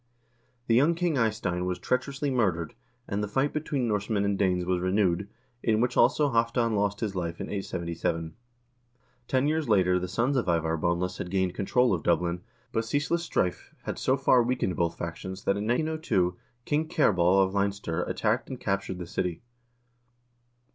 The young King Eystein was treacherously murdered, and the fight between Norsemen and Danes was renewed, in which also Halvdan lost his life in 877. Ten years later the sons of Ivar Boneless had gained control of Dublin, but ceaseless strife had so far weakened both factions that in 902 King Cerbalh of Leinster attacked and captured the city.